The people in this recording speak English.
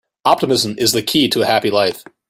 Optimism is the key to a happy life.